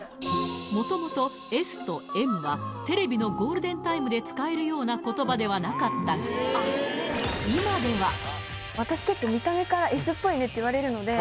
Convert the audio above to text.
もともと「Ｓ」と「Ｍ」はテレビのゴールデンタイムで使えるような言葉ではなかったが私結構。って言われるので。